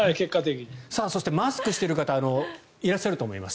そしてマスクをしている方いらっしゃると思います。